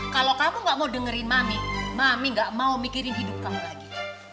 kalau kamu gak mau dengerin mami mami gak mau mikirin hidup kamu lagi